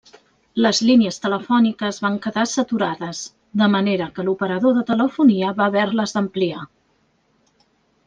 Les línies telefòniques van quedar saturades, de manera que l'operador de telefonia va haver-les d'ampliar.